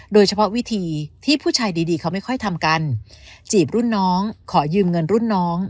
โดยเฉพาะวิธีที่ผู้ชายดีดีเขาไม่ค่อยทำกันจีบรุ่นน้องขอยืมเงินรุ่นน้อง